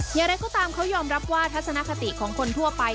อย่างไรก็ตามเขายอมรับว่าทัศนคติของคนทั่วไป